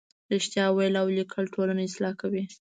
رښتیا ویل او لیکل ټولنه اصلاح کوي.